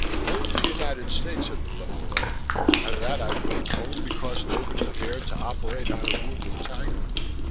Only the United States had been left alone and that, I think, only because nobody dared to operate on a wounded tiger.